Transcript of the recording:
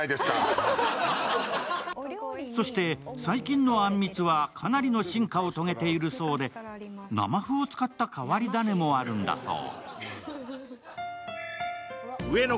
そして、最近のあんみつはかなりの進化を遂げているそうで生麩を使った変わり種もあるんだそう。